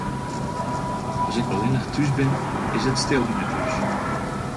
As ik allinnich thús bin, is it stil yn 'e hús.